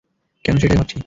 কেন সেটাই ভাবছি।